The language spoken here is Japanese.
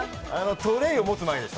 トレーを持つ前でしょ？